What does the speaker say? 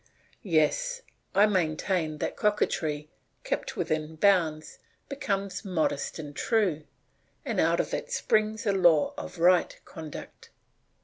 Yes, I maintain that coquetry, kept within bounds, becomes modest and true, and out of it springs a law of right conduct.